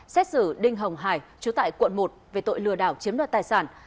xét xử đinh hồng hải chú tại quận một về tội lừa đảo chiếm đoạt tài sản